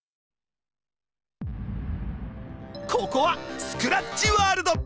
ここはスクラッチワールド！